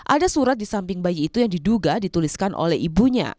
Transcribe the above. ada surat di samping bayi itu yang diduga dituliskan oleh ibunya